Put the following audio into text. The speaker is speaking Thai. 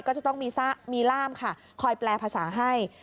ก็จะต้องมีร่ามค่ะคอยแปลภาษาให้